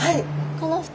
この２人？